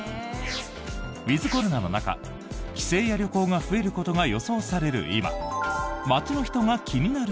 ウィズコロナの中帰省や旅行が増えることが予想される